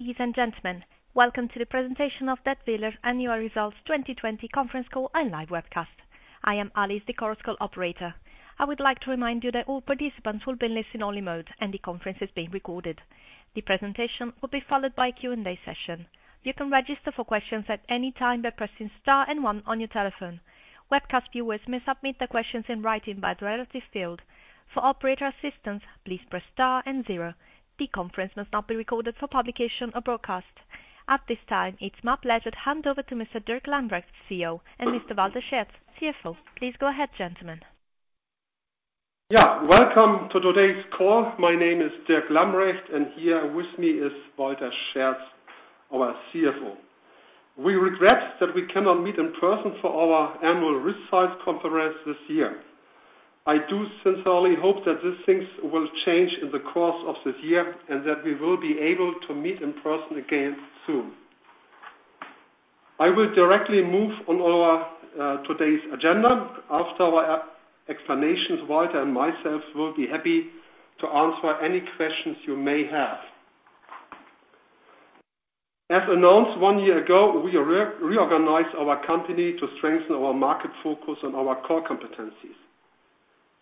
Ladies and gentlemen, welcome to the presentation of Dätwyler Annual Results 2020 conference call and live webcast. I am Alice, the conference call operator. I would like to remind you that all participants will be in listen-only mode, and the conference is being recorded. The presentation will be followed by a Q&A session. You can register for questions at any time by pressing star and one on your telephone. Webcast viewers may submit their questions in writing by the relative field. For operator assistance, please press star and zero. The conference must not be recorded for publication or broadcast. At this time, it's my pleasure to hand over to Mr. Dirk Lambrecht, CEO, and Mr. Walter Scherz, CFO. Please go ahead, gentlemen. Yeah. Welcome to today's call. My name is Dirk Lambrecht, and here with me is Walter Scherz, our CFO. We regret that we cannot meet in person for our annual results conference this year. I do sincerely hope that these things will change in the course of this year, and that we will be able to meet in person again soon. I will directly move on our today's agenda. After our explanations, Walter and myself will be happy to answer any questions you may have. As announced one year ago, we reorganized our company to strengthen our market focus on our core competencies.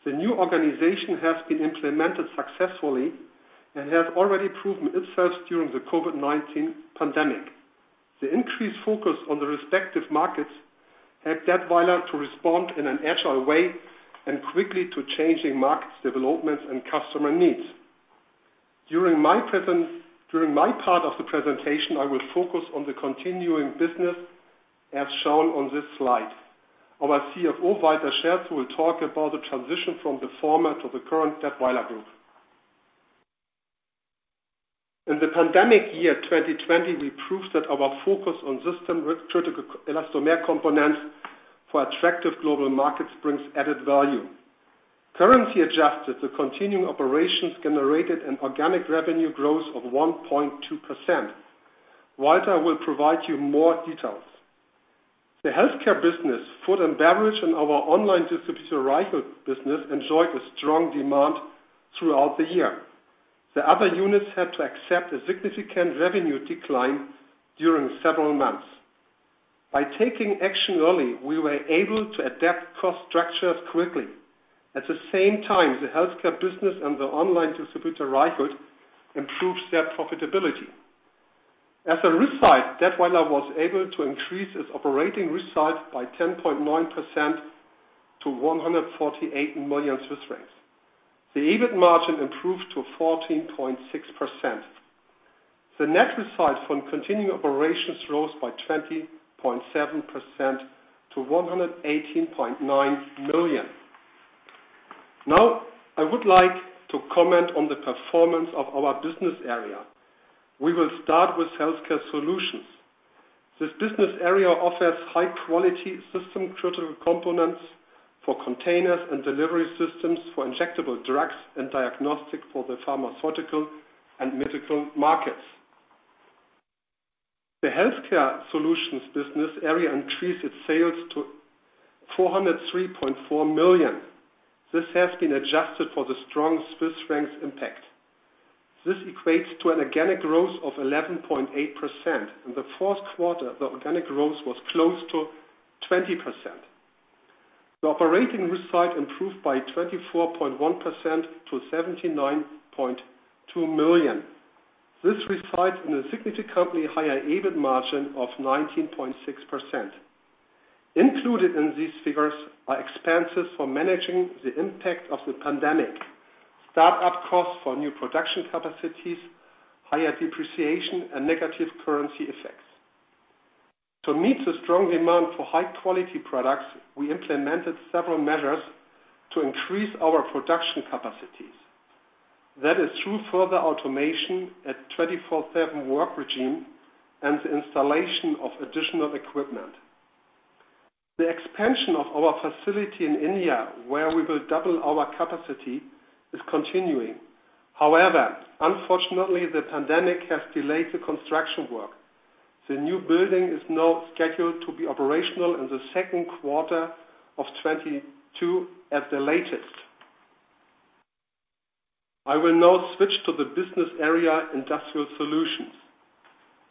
The new organization has been implemented successfully and has already proven itself during the COVID-19 pandemic. The increased focus on the respective markets helped Dätwyler to respond in an agile way and quickly to changing market developments and customer needs. During my part of the presentation, I will focus on the continuing business as shown on this slide. Our CFO, Walter Scherz, will talk about the transition from the former to the current Dätwyler Group. In the pandemic year 2020, we proved that our focus on system-critical elastomer components for attractive global markets brings added value. Currency adjusted, the continuing operations generated an organic revenue growth of 1.2%. Walter will provide you more details. The healthcare business, food and beverage, and our online distributor Reichelt business enjoyed a strong demand throughout the year. The other units had to accept a significant revenue decline during several months. By taking action early, we were able to adapt cost structures quickly. At the same time, the healthcare business and the online distributor Reichelt improved their profitability. As a result, Dätwyler was able to increase its operating results by 10.9% to 148 million Swiss francs. The EBIT margin improved to 14.6%. The net results from continuing operations rose by 20.7% to 118.9 million. Now, I would like to comment on the performance of our business area. We will start with Healthcare Solutions. This business area offers high-quality system-critical components for containers and delivery systems for injectable drugs and diagnostics for the pharmaceutical and medical markets. The Healthcare Solutions business area increased its sales to 403.4 million. This has been adjusted for the strong CHF impact. This equates to an organic growth of 11.8%. In the fourth quarter, the organic growth was close to 20%. The operating result improved by 24.1% to 79.2 million. This results in a significantly higher EBIT margin of 19.6%. Included in these figures are expenses for managing the impact of the pandemic, start-up costs for new production capacities, higher depreciation, and negative currency effects. To meet the strong demand for high-quality products, we implemented several measures to increase our production capacities. That is through further automation, a 24/7 work regime, and the installation of additional equipment. The expansion of our facility in India, where we will double our capacity, is continuing. Unfortunately, the pandemic has delayed the construction work. The new building is now scheduled to be operational in the second quarter of 2022 at the latest. I will now switch to the business area, Industrial Solutions.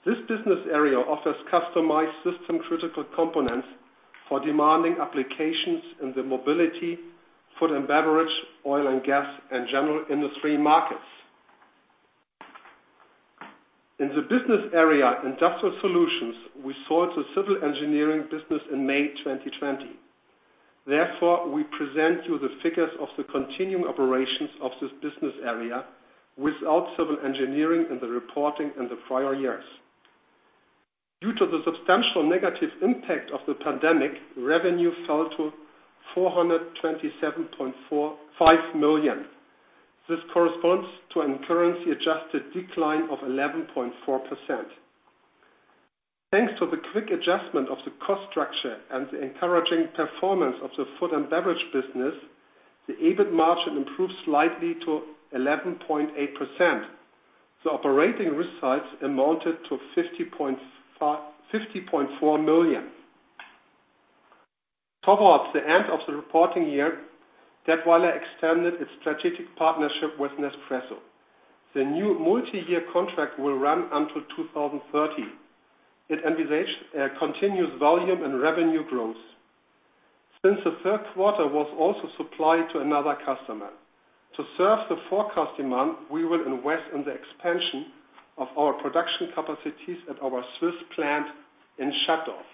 This business area offers customized system-critical components for demanding applications in the mobility, food and beverage, oil and gas, and general industry markets. In the business area, Industrial Solutions, we sold the civil engineering business in May 2020. Therefore, we present you the figures of the continuing operations of this business area without civil engineering in the reporting in the prior years. Due to the substantial negative impact of the pandemic, revenue fell to 427.5 million. This corresponds to a currency-adjusted decline of 11.4%. Thanks to the quick adjustment of the cost structure and the encouraging performance of the food and beverage business, the EBIT margin improved slightly to 11.8%. The operating results amounted to 50.4 million. Towards the end of the reporting year, Dätwyler extended its strategic partnership with Nespresso. The new multi-year contract will run until 2030. It envisages continuous volume and revenue growth. The third quarter was also supplied to another customer. To serve the forecast demand, we will invest in the expansion of our production capacities at our Swiss plant in Schattdorf.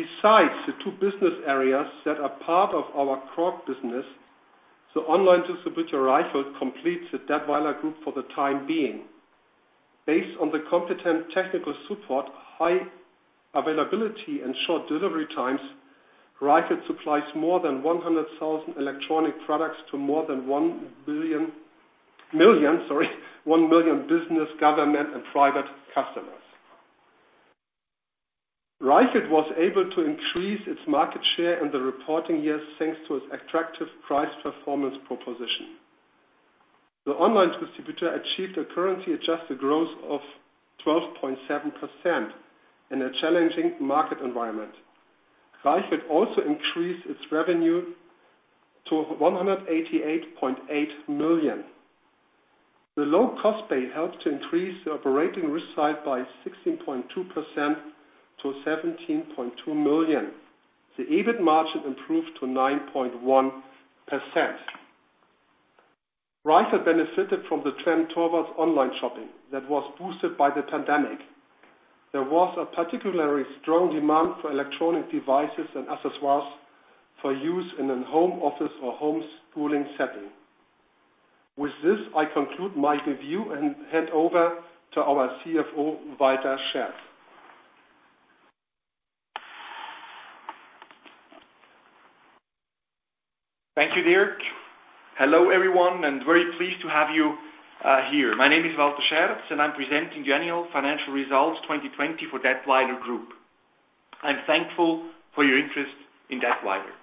Besides the two business areas that are part of our core business, the online distributor, Reichelt, completes the Dätwyler Group for the time being. Based on the competent technical support, high availability, and short delivery times, Reichelt supplies more than 100,000 electronic products to more than 1 million business, government, and private customers. Reichelt was able to increase its market share in the reporting years, thanks to its attractive price-performance proposition. The online distributor achieved a currency-adjusted growth of 12.7% in a challenging market environment. Reichelt also increased its revenue to 188.8 million. The low cost base helped to increase the operating result by 16.2% to 17.2 million. The EBIT margin improved to 9.1%. Reichelt benefited from the trend towards online shopping that was boosted by the pandemic. There was a particularly strong demand for electronic devices and accessories for use in a home office or homeschooling setting. With this, I conclude my review and hand over to our CFO, Walter Scherz. Thank you, Dirk. Hello, everyone. Very pleased to have you here. My name is Walter Scherz. I'm presenting the annual financial results 2020 for Dätwyler Group. I'm thankful for your interest in Dätwyler.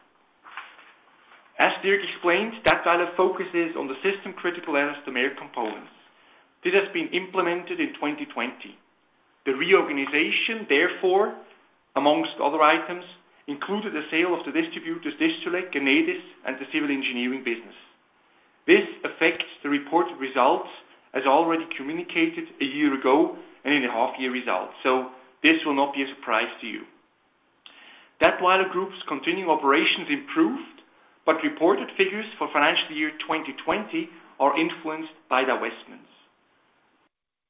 As Dirk explained, Dätwyler focuses on the system-critical and systemic components. This has been implemented in 2020. The reorganization, therefore, amongst other items, included the sale of the distributors Distrelec and Nedis and the civil engineering business. This affects the reported results as already communicated a year ago and in the half-year results. This will not be a surprise to you. Dätwyler Group's continuing operations improved, but reported figures for financial year 2020 are influenced by divestments.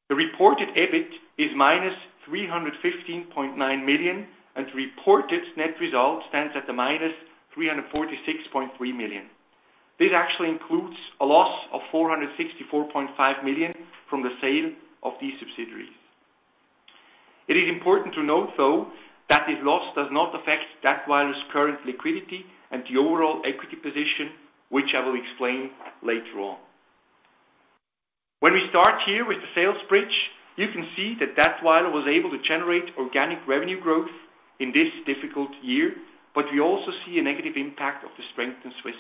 The reported EBIT is minus 315.9 million, and the reported net result stands at the minus 346.3 million. This actually includes a loss of 464.5 million from the sale of these subsidiaries. It is important to note, though, that this loss does not affect Dätwyler's current liquidity and the overall equity position, which I will explain later on. We start here with the sales bridge, you can see that Dätwyler was able to generate organic revenue growth in this difficult year, but we also see a negative impact of the strength in CHF.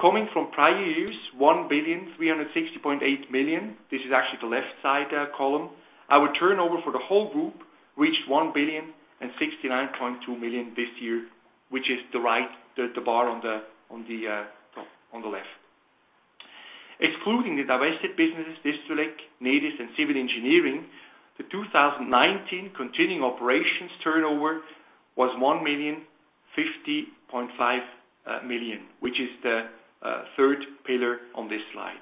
Coming from prior years, 1,360.8 million, this is actually the left side column, our turnover for the whole group reached 1,069.2 million this year, which is the right, the bar on the left. Excluding the divested businesses, Distrelec, Nedis, and civil engineering, the 2019 continuing operations turnover was 1,050.5 million, which is the third pillar on this slide.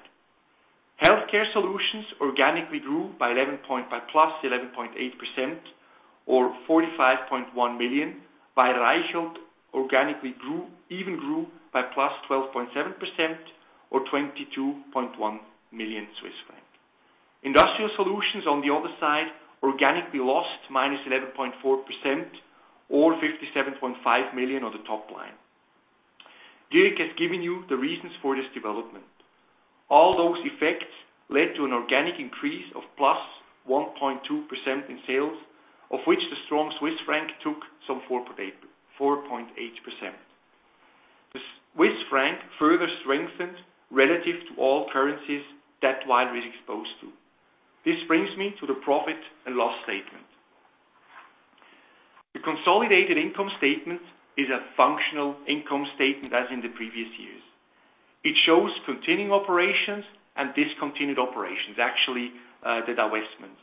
Healthcare Solutions organically grew by +11.8%, or 45.1 million, while Reichelt even grew by +12.7%, or 22.1 million Swiss francs. Industrial solutions, on the other side, organically lost -11.4%, or 57.5 million on the top line. Dirk has given you the reasons for this development. All those effects led to an organic increase of +1.2% in sales, of which the strong Swiss franc took some 4.8%. The Swiss franc further strengthened relative to all currencies Dätwyler is exposed to. This brings me to the profit and loss statement. The consolidated income statement is a functional income statement as in the previous years. It shows continuing operations and discontinued operations, actually, the divestments.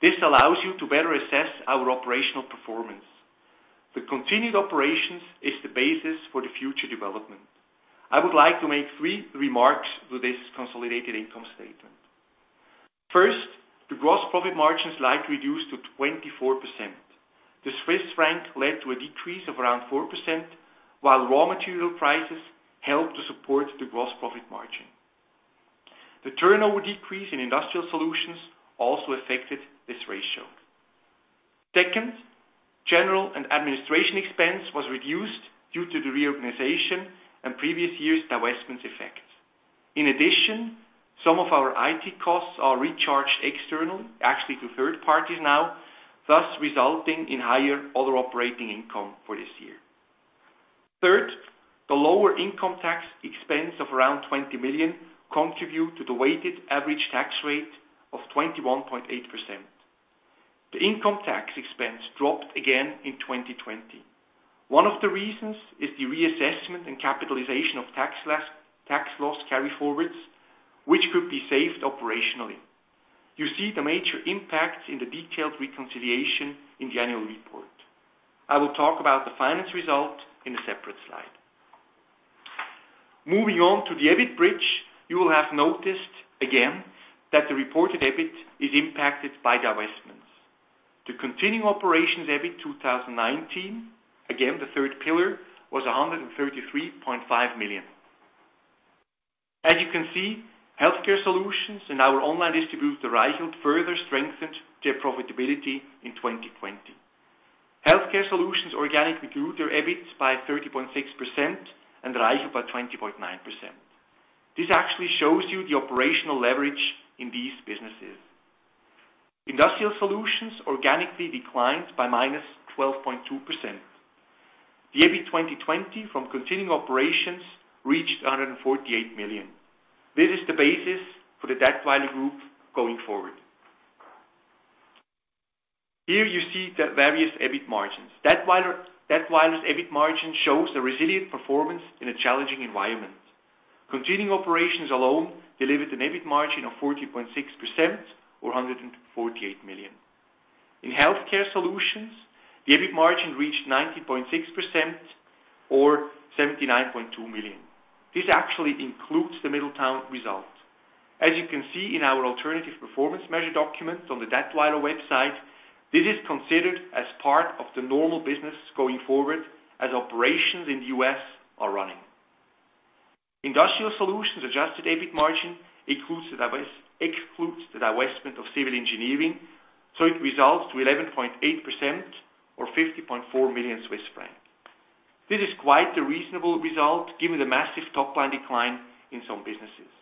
This allows you to better assess our operational performance. The continued operations is the basis for the future development. I would like to make three remarks to this consolidated income statement. First, the gross profit margin slightly reduced to 24%. The Swiss franc led to a decrease of around 4%, while raw material prices helped to support the gross profit margin. The turnover decrease in industrial solutions also affected this ratio. Second, general and administration expense was reduced due to the reorganization and previous years' divestments effect. In addition, some of our IT costs are recharged external, actually to third parties now, thus resulting in higher other operating income for this year. Third, the lower income tax expense of around 20 million contribute to the weighted average tax rate of 21.8%. The income tax expense dropped again in 2020. One of the reasons is the reassessment and capitalization of tax loss carry-forwards, which could be saved operationally. You see the major impact in the detailed reconciliation in the annual report. I will talk about the finance result in a separate slide. Moving on to the EBIT bridge, you will have noticed again that the reported EBIT is impacted by divestments. The continuing operations EBIT 2019, again, the third pillar, was 133.5 million. As you can see, Healthcare Solutions and our online distributor, Reichelt, further strengthened their profitability in 2020. Healthcare Solutions organically grew their EBIT by 30.6%, and Reichelt by 20.9%. This actually shows you the operational leverage in these businesses. Industrial Solutions organically declined by -12.2%. The EBIT 2020 from continuing operations reached 148 million. This is the basis for the Dätwyler Group going forward. Here you see the various EBIT margins. Dätwyler's EBIT margin shows the resilient performance in a challenging environment. Continuing operations alone delivered an EBIT margin of 40.6%, or 148 million. In Healthcare Solutions, the EBIT margin reached 90.6%, or 79.2 million. This actually includes the Middletown results. As you can see in our alternative performance measure documents on the Dätwyler website, this is considered as part of the normal business going forward as operations in the U.S. are running. Industrial Solutions adjusted EBIT margin excludes the divestment of Civil Engineering, it results to 11.8%, or 50.4 million Swiss francs. This is quite the reasonable result given the massive top-line decline in some businesses.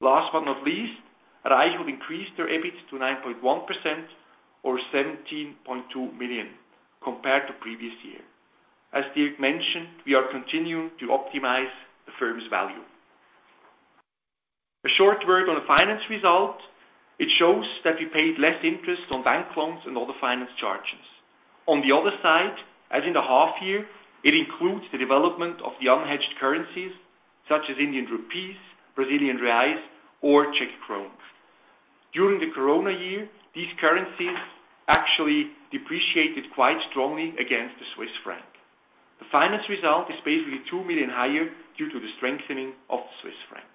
Last but not least, Reichelt increased their EBIT to 9.1%, or 17.2 million compared to previous year. As Dirk mentioned, we are continuing to optimize the firm's value. A short word on the finance result. It shows that we paid less interest on bank loans and other finance charges. On the other side, as in the half year, it includes the development of the unhedged currencies such as Indian rupees, Brazilian reais, or Czech crowns. During the Corona year, these currencies actually depreciated quite strongly against the Swiss franc. The finance result is basically 2 million higher due to the strengthening of the Swiss franc.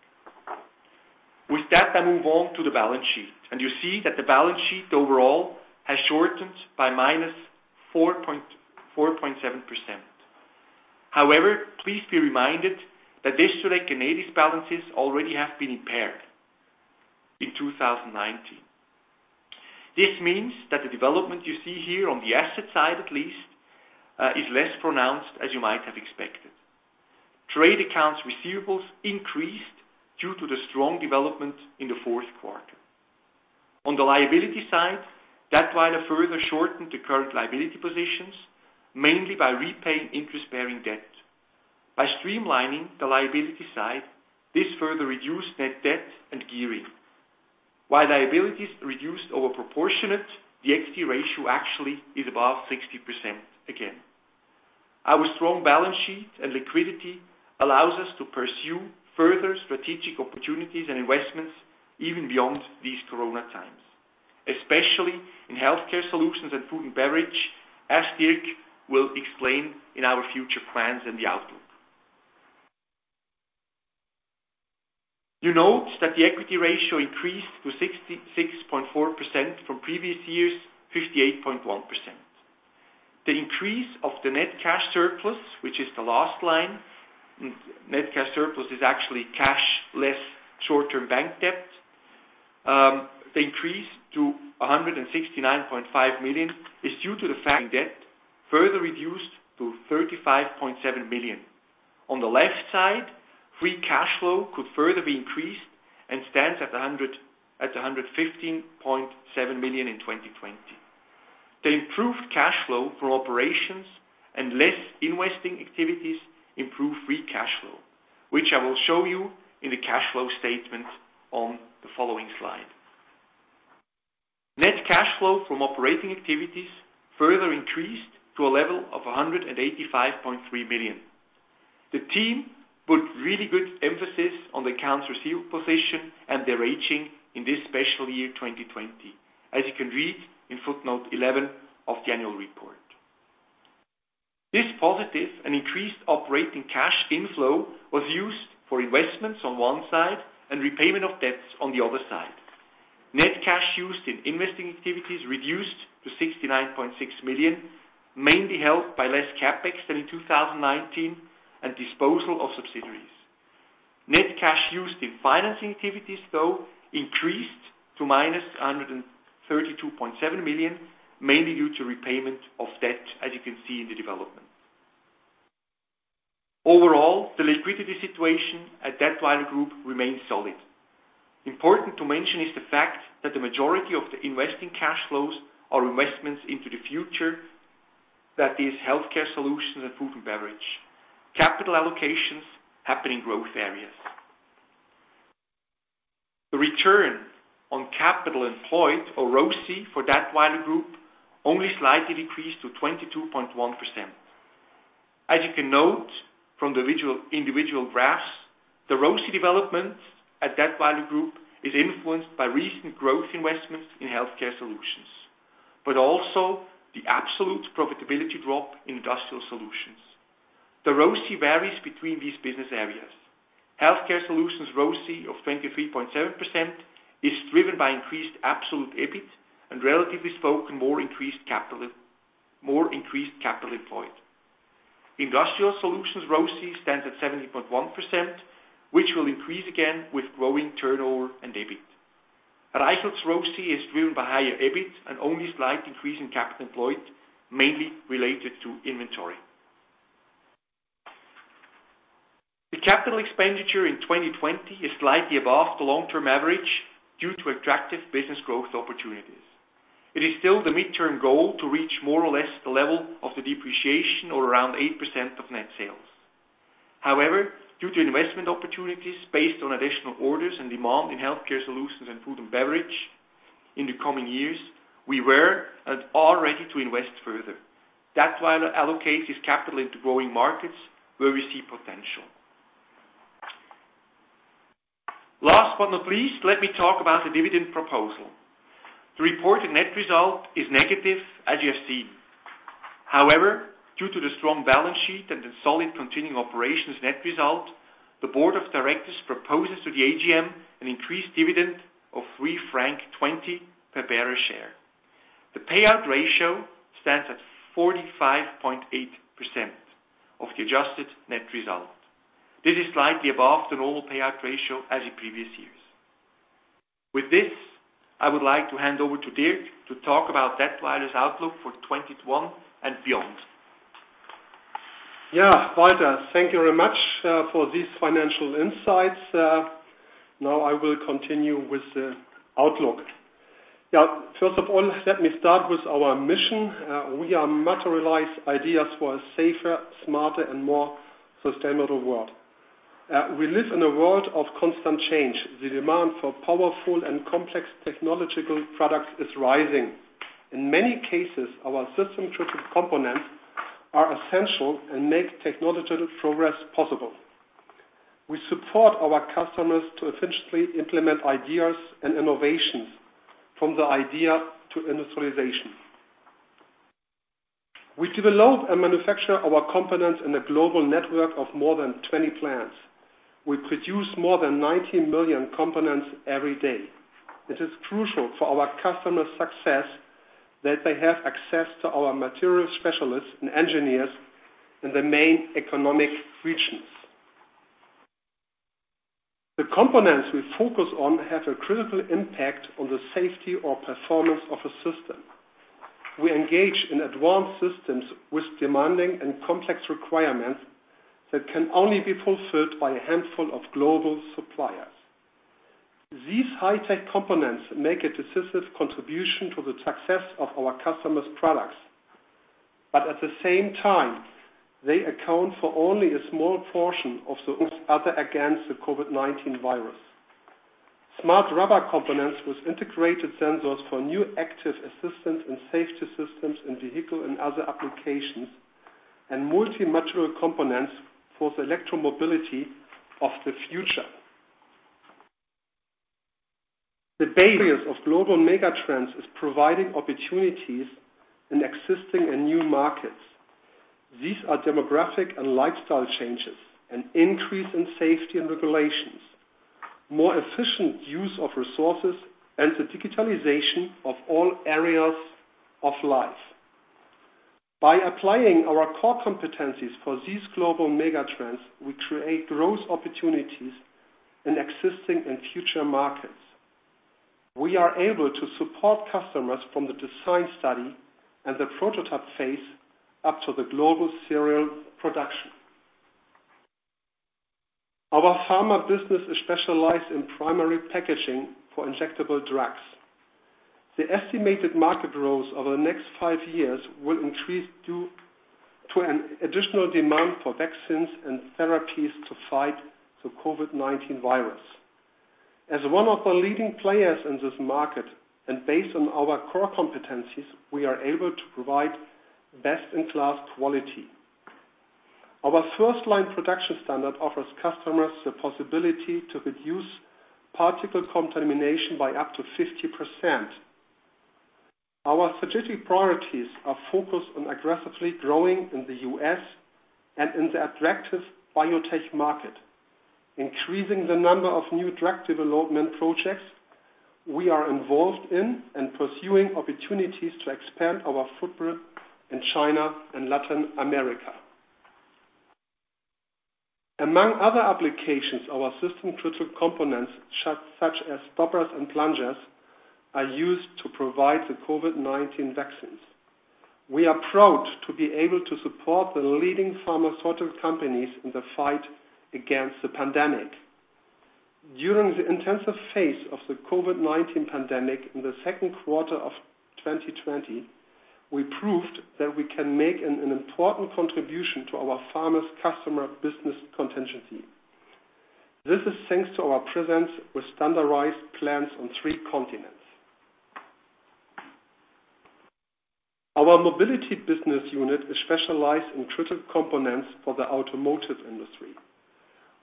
You see that the balance sheet overall has shortened by -4.7%. Please be reminded that Distrelec and Nedis balances already have been impaired in 2019. This means that the development you see here on the asset side at least, is less pronounced as you might have expected. Trade accounts receivables increased due to the strong development in the fourth quarter. On the liability side, Dätwyler further shortened the current liability positions, mainly by repaying interest-bearing debt. By streamlining the liability side, this further reduced net debt and gearing. While liability is reduced over proportionate, the equity ratio actually is above 60% again. Our strong balance sheet and liquidity allows us to pursue further strategic opportunities and investments even beyond these Corona times, especially in Healthcare Solutions and Food and Beverage, as Dirk will explain in our future plans and the outlook. You note that the equity ratio increased to 66.4% from previous years' 58.1%. The increase of the net cash surplus, which is the last line, net cash surplus is actually cash less short-term bank debt. The increase to 169.5 million is due to the fact debt further reduced to 35.7 million. On the left side, free cash flow could further be increased and stands at 115.7 million in 2020. The improved cash flow from operations and less investing activities improve free cash flow, which I will show you in the cash flow statement on the following slide. Net cash flow from operating activities further increased to a level of 185.3 million. The team put really good emphasis on the accounts receivable position and the rating in this special year 2020, as you can read in footnote 11 of the annual report. This positive and increased operating cash inflow was used for investments on one side and repayment of debts on the other side. Net cash used in investing activities reduced to 69.6 million, mainly helped by less CapEx than in 2019 and disposal of subsidiaries. Net cash used in financing activities, though, increased to -132.7 million, mainly due to repayment of debt as you can see in the development. Overall, the liquidity situation at Dätwyler Group remains solid. Important to mention is the fact that the majority of the investing cash flows are investments into the future, that is, healthcare solutions and food and beverage. Capital allocations happen in growth areas. The return on capital employed, or ROCE, for Dätwyler Group only slightly decreased to 22.1%. As you can note from the individual graphs, the ROCE developments at Dätwyler Group is influenced by recent growth investments in healthcare solutions, but also the absolute profitability drop in industrial solutions. The ROCE varies between these business areas. Healthcare solutions ROCE of 23.7% is driven by increased absolute EBIT and relatively spoken, more increased capital employed. Industrial solutions ROCE stands at 17.1%, which will increase again with growing turnover and EBIT. Reichelt's ROCE is driven by higher EBIT and only slight increase in capital employed, mainly related to inventory. The capital expenditure in 2020 is slightly above the long-term average due to attractive business growth opportunities. It is still the mid-term goal to reach more or less the level of the depreciation or around 8% of net sales. However, due to investment opportunities based on additional orders and demand in healthcare solutions and food and beverage in the coming years, we were and are ready to invest further. Dätwyler allocates its capital into growing markets where we see potential. Last but not least, let me talk about the dividend proposal. The reported net result is negative, as you have seen. However, due to the strong balance sheet and the solid continuing operations net result, the board of directors proposes to the AGM an increased dividend of 3.20 francs per bearer share. The payout ratio stands at 45.8% of the adjusted net result. This is slightly above the normal payout ratio as in previous years. With this, I would like to hand over to Dirk to talk about Dätwyler's outlook for 2021 and beyond. Yeah, Walter, thank you very much for these financial insights. Now I will continue with the outlook. Yeah, first of all, let me start with our mission. We materialize ideas for a safer, smarter, and more sustainable world. We live in a world of constant change. The demand for powerful and complex technological products is rising. In many cases, our system-critical components are essential and make technological progress possible. We support our customers to efficiently implement ideas and innovations from the idea to industrialization. We develop and manufacture our components in a global network of more than 20 plants. We produce more than 90 million components every day. It is crucial for our customers' success that they have access to our material specialists and engineers in the main economic regions. The components we focus on have a critical impact on the safety or performance of a system. We engage in advanced systems with demanding and complex requirements that can only be fulfilled by a handful of global suppliers. These high-tech components make a decisive contribution to the success of our customers' products. At the same time, they account for only a small portion of the other against the COVID-19 virus. smart rubber components with integrated sensors for new active assistance and safety systems in vehicle and other applications, and multi-material components for the electro-mobility of the future. The of global mega trends is providing opportunities in existing and new markets. These are demographic and lifestyle changes, an increase in safety and regulations, more efficient use of resources, and the digitalization of all areas of life. By applying our core competencies for these global mega trends, we create growth opportunities in existing and future markets. We are able to support customers from the design study and the prototype phase up to the global serial production. Our pharma business is specialized in primary packaging for injectable drugs. The estimated market growth over the next five years will increase due to an additional demand for vaccines and therapies to fight the COVID-19 virus. As one of the leading players in this market, and based on our core competencies, we are able to provide best-in-class quality. Our FirstLine production standard offers customers the possibility to reduce particle contamination by up to 50%. Our strategic priorities are focused on aggressively growing in the U.S. and in the attractive biotech market, increasing the number of new drug development projects we are involved in, and pursuing opportunities to expand our footprint in China and Latin America. Among other applications, our system-critical components, such as stoppers and plungers, are used to provide the COVID-19 vaccines. We are proud to be able to support the leading pharmaceutical companies in the fight against the pandemic. During the intensive phase of the COVID-19 pandemic in the second quarter of 2020, we proved that we can make an important contribution to our pharma customer business contingency. This is thanks to our presence with standardized plants on three continents. Our mobility business unit is specialized in critical components for the automotive industry.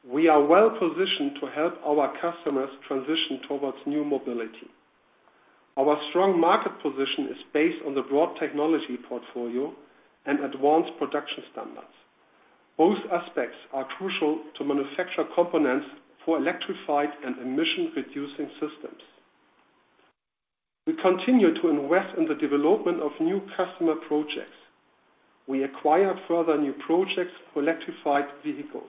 We are well-positioned to help our customers transition towards new mobility. Our strong market position is based on the broad technology portfolio and advanced production standards. Both aspects are crucial to manufacture components for electrified and emission-reducing systems. We continue to invest in the development of new customer projects. We acquire further new projects for electrified vehicles.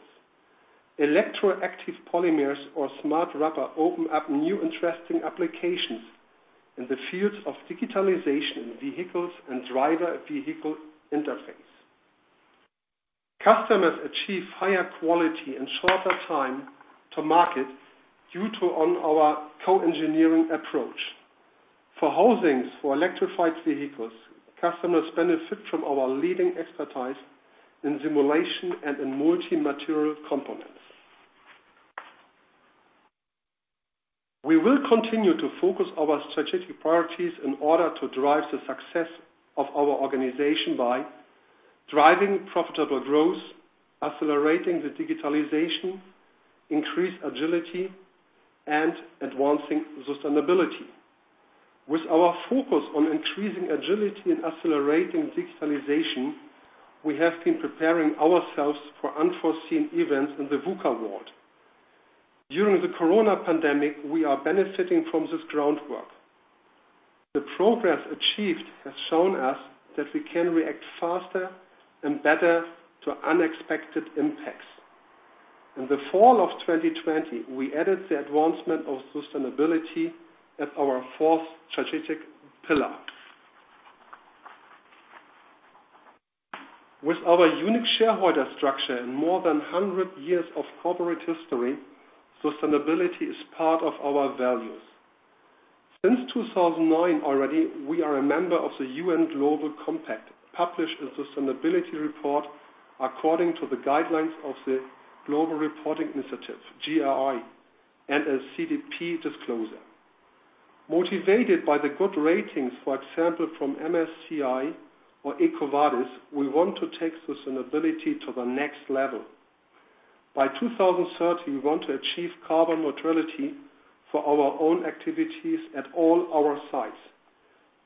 Electroactive polymers or smart rubber open up new interesting applications in the fields of digitalization in vehicles and driver vehicle interface. Customers achieve higher quality in shorter time to market due to our co-engineering approach. For housings for electrified vehicles, customers benefit from our leading expertise in simulation and in multi-material components. We will continue to focus our strategic priorities in order to drive the success of our organization by driving profitable growth, accelerating the digitalization, increased agility, and advancing sustainability. With our focus on increasing agility and accelerating digitalization, we have been preparing ourselves for unforeseen events in the VUCA world. During the corona pandemic, we are benefiting from this groundwork. The progress achieved has shown us that we can react faster and better to unexpected impacts. In the fall of 2020, we added the advancement of sustainability as our fourth strategic pillar. With our unique shareholder structure and more than 100 years of corporate history, sustainability is part of our values. Since 2009 already, we are a member of the UN Global Compact, publish a sustainability report according to the guidelines of the Global Reporting Initiative, GRI, and a CDP disclosure. Motivated by the good ratings, for example, from MSCI or EcoVadis, we want to take sustainability to the next level. By 2030, we want to achieve carbon neutrality for our own activities at all our sites.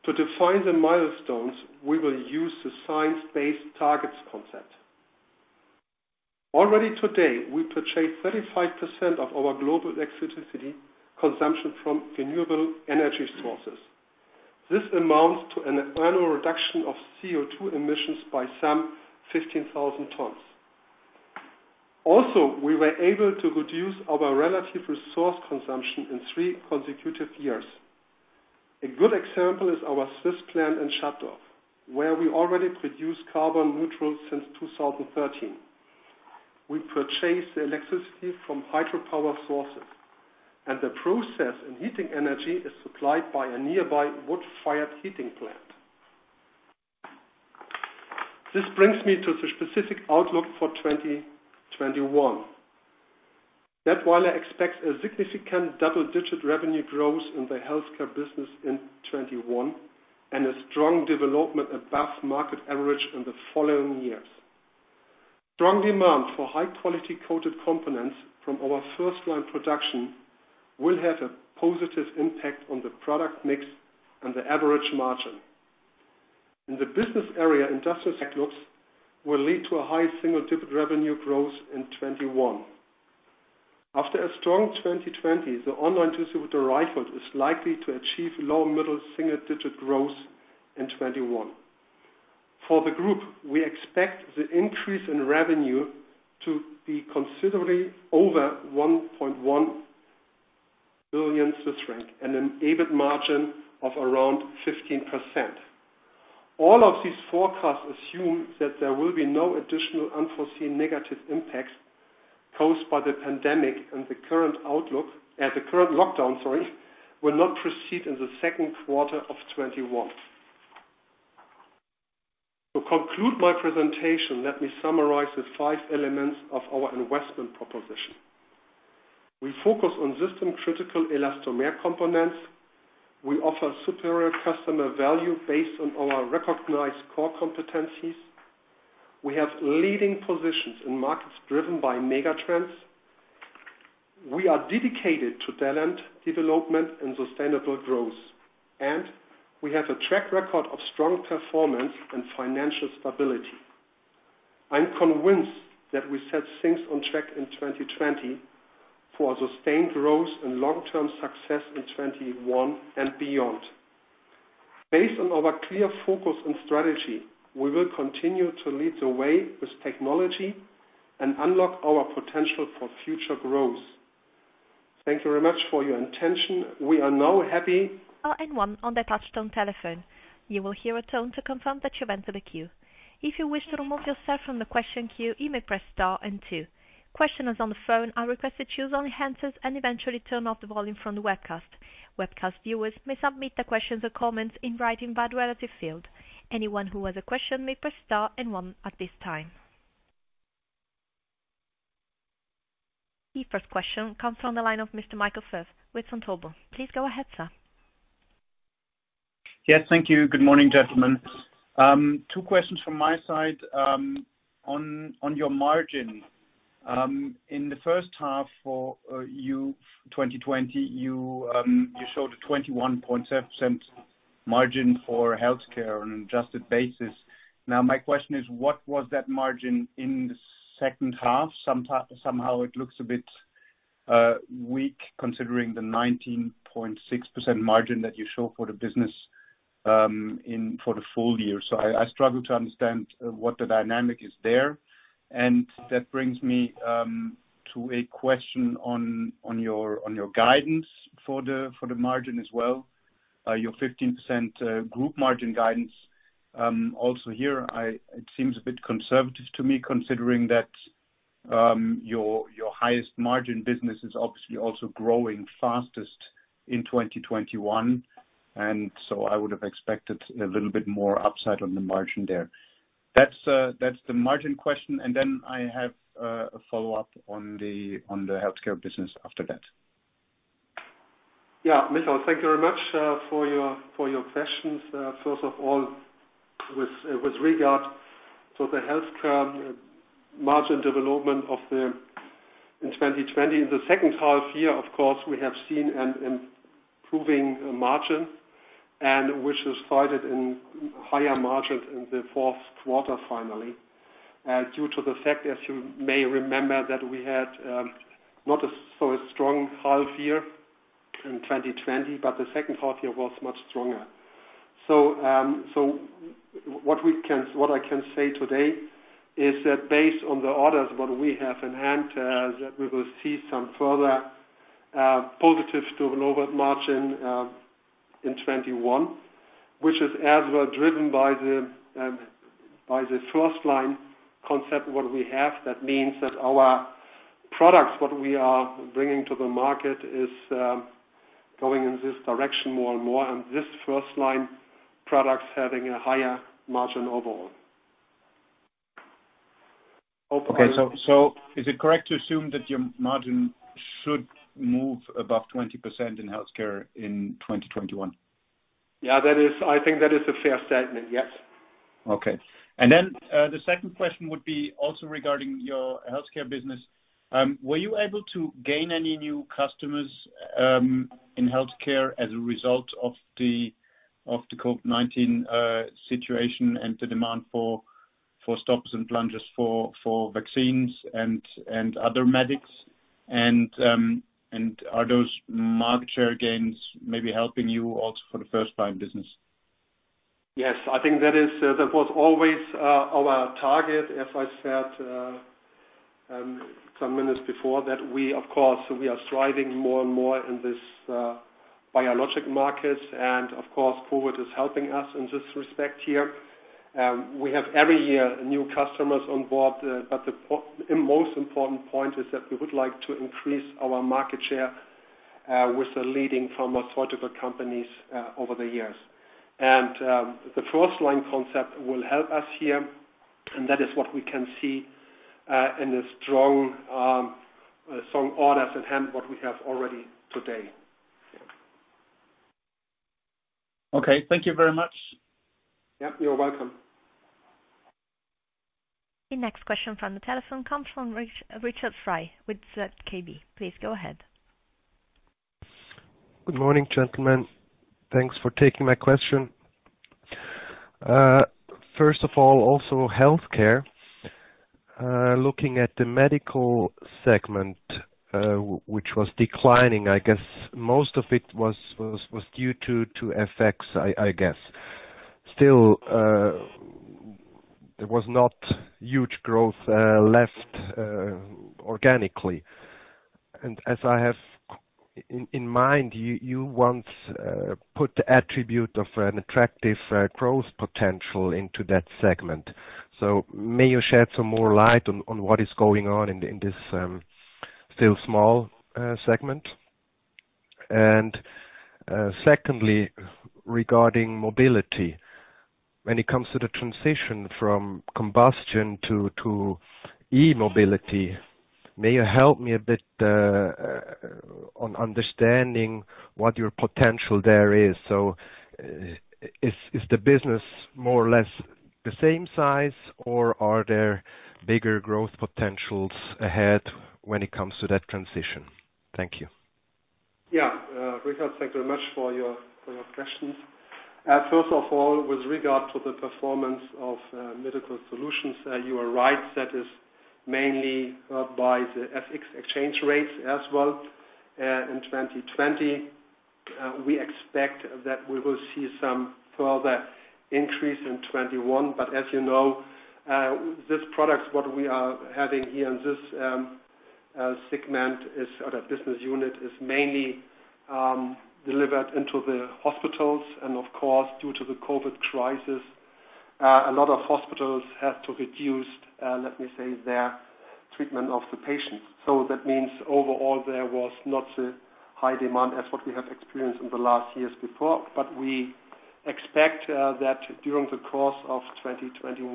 To define the milestones, we will use the science-based targets concept. Already today, we purchase 35% of our global electricity consumption from renewable energy sources. This amounts to an annual reduction of CO2 emissions by some 15,000 tons. Also, we were able to reduce our relative resource consumption in three consecutive years. A good example is our Swiss plant in Schattdorf, where we already produce carbon neutral since 2013. We purchase the electricity from hydropower sources, and the process and heating energy is supplied by a nearby wood-fired heating plant. This brings me to the specific outlook for 2021. Dätwyler expects a significant double-digit revenue growth in the healthcare business in 2021, and a strong development above market average in the following years. Strong demand for high-quality coated components from our FirstLine production will have a positive impact on the product mix and the average margin. In the business area, industrial sectors will lead to a high single-digit revenue growth in 2021. After a strong 2020, the online distributor is likely to achieve low middle single-digit growth in 2021. For the group, we expect the increase in revenue to be considerably over 1.1 billion Swiss franc and an EBIT margin of around 15%. All of these forecasts assume that there will be no additional unforeseen negative impacts caused by the pandemic and the current lockdown will not proceed in the second quarter of 2021. To conclude my presentation, let me summarize the five elements of our investment proposition. We focus on system-critical elastomer components. We offer superior customer value based on our recognized core competencies. We have leading positions in markets driven by mega trends. We are dedicated to talent development and sustainable growth, and we have a track record of strong performance and financial stability. I'm convinced that we set things on track in 2020 for sustained growth and long-term success in 2021 and beyond. Based on our clear focus and strategy, we will continue to lead the way with technology and unlock our potential for future growth. Thank you very much for your attention. The first question comes from the line of Mr. Michael Foeth with Vontobel. Please go ahead, sir. Yes. Thank you. Good morning, gentlemen. Two questions from my side on your margin. In the first half for you, 2020, you showed a 21.7% margin for healthcare on an adjusted basis. My question is, what was that margin in the second half? Somehow it looks a bit weak, considering the 19.6% margin that you show for the business, for the full year. I struggle to understand what the dynamic is there. That brings me to a question on your guidance for the margin as well. Your 15% group margin guidance. Also here, it seems a bit conservative to me, considering that your highest margin business is obviously also growing fastest in 2021, I would have expected a little bit more upside on the margin there. That's the margin question, and then I have a follow-up on the healthcare business after that. Yeah, Michael, thank you very much for your questions. First of all, with regard to the healthcare margin development in 2020. In the second half year, of course, we have seen an improving margin, which is cited in higher margins in the fourth quarter finally. Due to the fact, as you may remember, that we had not a strong half year in 2020, the second half year was much stronger. What I can say today is that based on the orders that we have in hand, that we will see some further positives to a lower margin in 2021. Which is as well driven by the FirstLine concept, what we have, that means that our products, what we are bringing to the market is going in this direction more and more, this FirstLine product is having a higher margin overall. Is it correct to assume that your margin should move above 20% in healthcare in 2021? Yeah, I think that is a fair statement. Yes. Okay. The second question would be also regarding your healthcare business. Were you able to gain any new customers in healthcare as a result of the COVID-19 situation and the demand for stoppers and plungers for vaccines and other medics? Are those market share gains maybe helping you also for the first-time business? Yes, I think that was always our target, as I said some minutes before that, we are striving more and more in this biologic market and of course FirstLine is helping us in this respect here. We have every year new customers on board. The most important point is that we would like to increase our market share, with the leading pharmaceutical companies over the years. The FirstLine concept will help us here, and that is what we can see in the strong orders in hand, what we have already today. Okay. Thank you very much. Yeah. You're welcome. The next question from the telephone comes from Richard Frei with ZKB. Please go ahead. Good morning, gentlemen. Thanks for taking my question. First of all, also healthcare. Looking at the medical segment, which was declining, I guess most of it was due to FX, I guess. Still, there was not huge growth left organically. As I have in mind, you once put the attribute of an attractive growth potential into that segment. May you shed some more light on what is going on in this still small segment? Secondly, regarding mobility. When it comes to the transition from combustion to e-mobility, may you help me a bit, on understanding what your potential there is? Is the business more or less the same size, or are there bigger growth potentials ahead when it comes to that transition? Thank you. Yeah. Richard, thank you very much for your questions. First of all, with regard to the performance of Medical Solutions, you are right that is mainly by the FX exchange rates as well, in 2020. We expect that we will see some further increase in 2021, as you know, these products, what we are having here in this segment or the business unit, is mainly delivered into the hospitals and of course, due to the COVID crisis, a lot of hospitals had to reduce, let me say, their treatment of the patients. That means overall, there was not a high demand as what we have experienced in the last years before. We expect that during the course of 2021,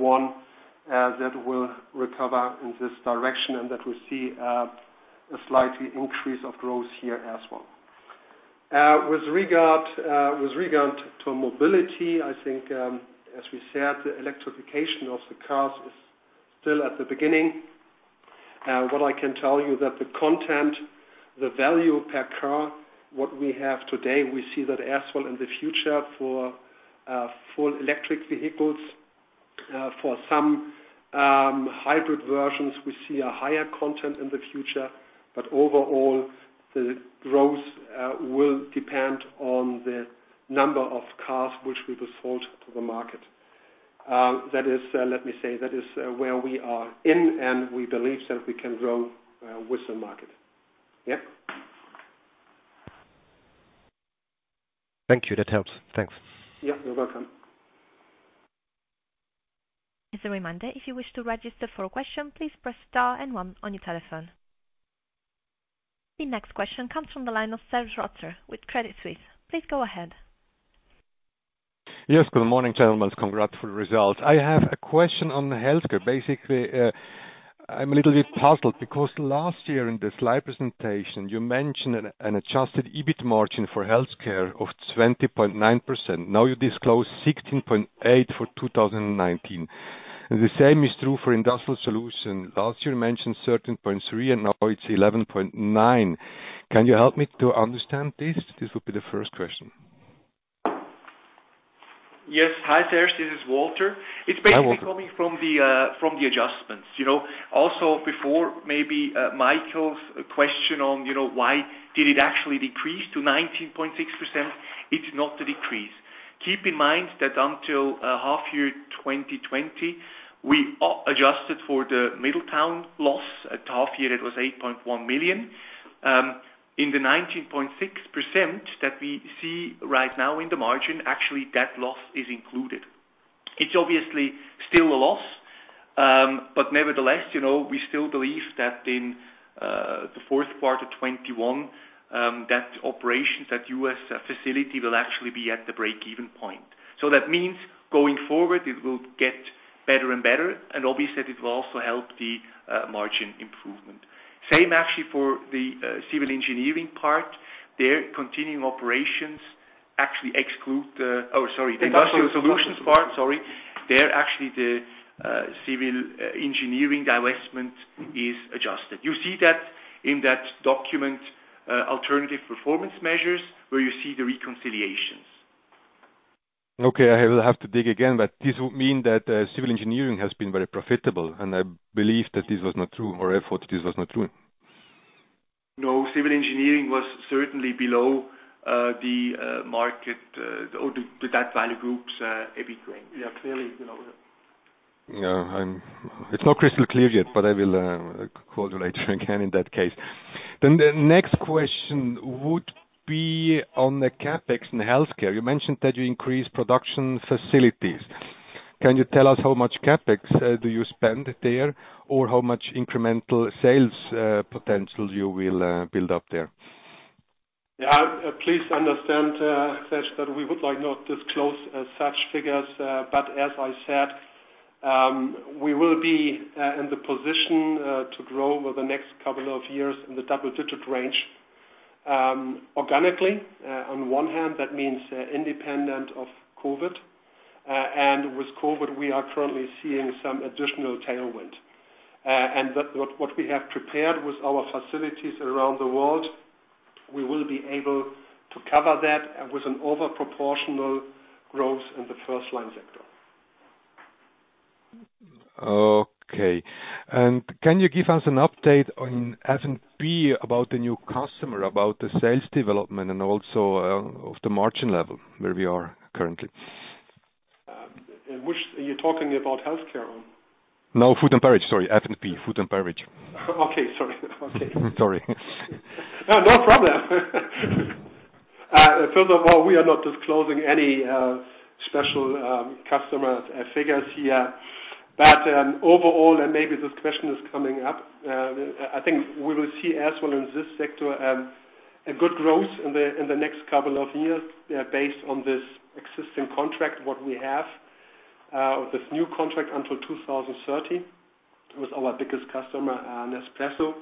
that will recover in this direction and that we see a slight increase of growth here as well. With regard to mobility, I think, as we said, the electrification of the cars is still at the beginning. What I can tell you that the content, the value per car, what we have today, we see that as well in the future for full electric vehicles. For some hybrid versions, we see a higher content in the future. Overall, the growth will depend on the number of cars which we will sold to the market. Let me say, that is where we are in. We believe that we can grow with the market. Yeah. Thank you. That helps. Thanks. Yeah. You're welcome. As a reminder, if you wish to register for a question, please press star and one on your telephone. The next question comes from the line of Serge Rotzer with Credit Suisse. Please go ahead. Yes. Good morning, gentlemen. Congrats for the results. I have a question on the healthcare. Basically, I'm a little bit puzzled because last year in the slide presentation, you mentioned an adjusted EBIT margin for healthcare of 20.9%. Now you disclose 16.8% for 2019. The same is true for industrial solution. Last year, you mentioned 13.3%, and now it's 11.9%. Can you help me to understand this? This would be the first question. Yes. Hi, Serge. This is Walter. Hi, Walter. It's basically coming from the adjustments. Before maybe Michael's question on why did it actually decrease to 19.6%, it's not a decrease. Keep in mind that until half year 2020, we adjusted for the Middletown loss. At half year, it was 8.1 million. In the 19.6% that we see right now in the margin, actually, that loss is included. It's obviously still a loss, but nevertheless, we still believe that in the fourth quarter 2021, that operation, that U.S. facility, will actually be at the break-even point. That means going forward, it will get better and better, and obviously, it will also help the margin improvement. Same actually for the civil engineering part. There, continuing operations actually exclude the oh, sorry. Industrial solutions part, sorry. There, actually, the civil engineering divestment is adjusted. You see that in that document, alternative performance measures, where you see the reconciliations. Okay, I will have to dig again, but this would mean that civil engineering has been very profitable, and I believe that this was not true, or effort, this was not true. No, civil engineering was certainly below the market or that value group's EBIT range. Yeah, clearly below it. It's not crystal clear yet, but I will call you later again in that case. The next question would be on the CapEx in healthcare. You mentioned that you increased production facilities. Can you tell us how much CapEx do you spend there, or how much incremental sales potential you will build up there? Please understand, Serge, that we would like not disclose such figures. As I said, we will be in the position to grow over the next couple of years in the double-digit range organically. On one hand, that means independent of COVID. With COVID, we are currently seeing some additional tailwind. What we have prepared with our facilities around the world, we will be able to cover that with an overproportional growth in the FirstLine sector. Okay. Can you give us an update on F&B about the new customer, about the sales development, and also of the margin level, where we are currently? Are you talking about healthcare on? No, food and beverage. Sorry, F&B, food and beverage. Okay. Sorry. Okay. Sorry. No, no problem. First of all, we are not disclosing any special customer figures here. Overall, and maybe this question is coming up, I think we will see as well in this sector, a good growth in the next couple of years based on this existing contract, what we have. This new contract until 2030 with our biggest customer, Nespresso.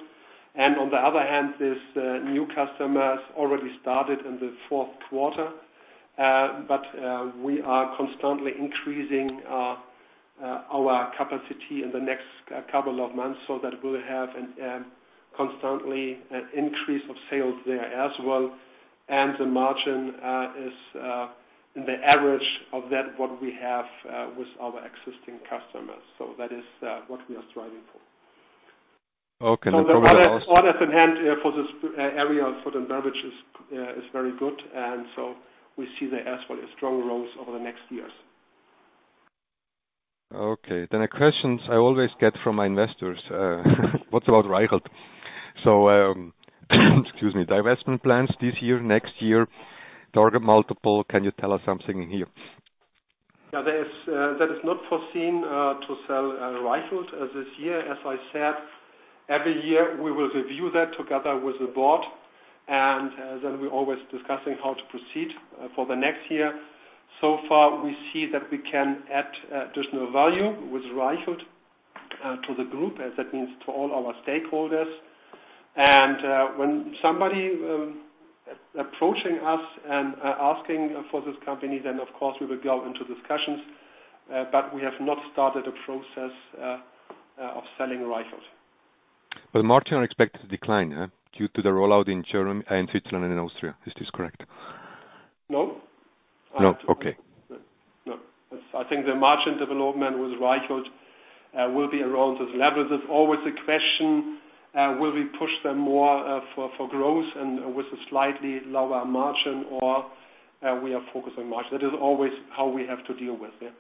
On the other hand, this new customer has already started in the fourth quarter. We are constantly increasing our capacity in the next couple of months so that we'll have constantly an increase of sales there as well. The margin is in the average of that what we have with our existing customers. That is what we are striving for. Okay. The orders in hand for this area, for the beverage is very good. We see that as well, a strong growth over the next years. Okay. A question I always get from my investors, what about Reichelt? excuse me, divestment plans this year, next year, target multiple, can you tell us something here? That is not foreseen to sell Reichelt this year. As I said, every year we will review that together with the board, and then we always discussing how to proceed for the next year. So far, we see that we can add additional value with Reichelt to the group, as that means to all our stakeholders. When somebody approaching us and asking for this company, then of course, we will go into discussions. We have not started a process of selling Reichelt. Margin are expected to decline due to the rollout in Germany and Switzerland and Austria. Is this correct? No. No. Okay. No. I think the margin development with Reichelt will be around this level. There's always a question, will we push them more for growth and with a slightly lower margin, or we are focused on margin. That is always how we have to deal with it.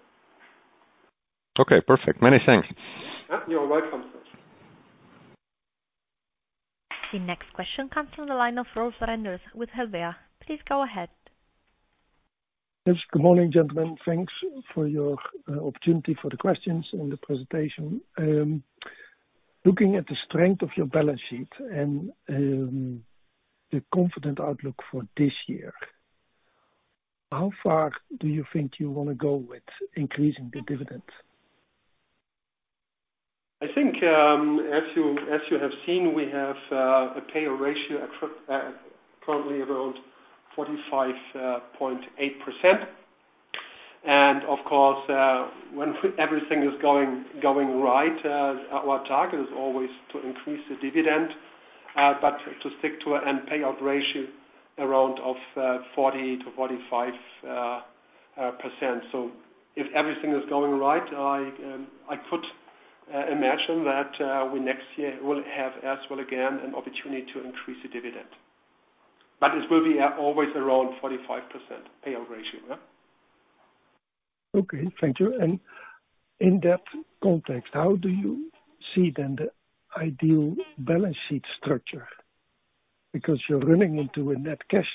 Okay, perfect. Many thanks. You're welcome, sir. The next question comes from the line of Rolf Renders with Helvea. Please go ahead. Yes. Good morning, gentlemen. Thanks for your opportunity for the questions and the presentation. Looking at the strength of your balance sheet and the confident outlook for this year, how far do you think you want to go with increasing the dividends? I think, as you have seen, we have a payout ratio at currently around 45.8%. Of course, when everything is going right, our target is always to increase the dividend. To stick to an end payout ratio around 40%-45%. If everything is going right, I could imagine that we next year will have as well, again, an opportunity to increase the dividend. It will be always around 45% payout ratio. Okay, thank you. In that context, how do you see then the ideal balance sheet structure? You're running into a net cash